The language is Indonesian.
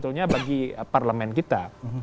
seharusnya bagi parlemen kita